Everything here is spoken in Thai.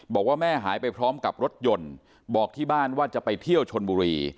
บอกว่าแม่หายไปพร้อมกับรถยนต์บอกที่บ้านว่าจะไปเที่ยวชนบุรี